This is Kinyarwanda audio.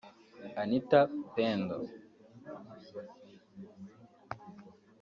Anita Pendo